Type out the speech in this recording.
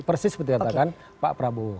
persis seperti yang dikatakan pak prabowo